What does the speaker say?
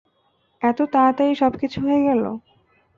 এতো তাড়াতাড়ি সবকিছু হয়ে গেলো।